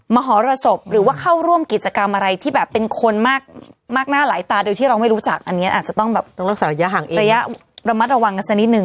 มาหอระบบหรือว่าเข้าร่วมกิจกรรมอะไรที่แบบเป็นคนมากน่าหลายตาเดี๋ยวที่เราไม่รู้จักหว่างนี้อาจจะต้องแบบไประมัดระวังกันเท่านี้หนึ่ง